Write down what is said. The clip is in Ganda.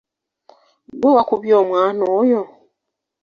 Ggwe wakubye omwana oyo?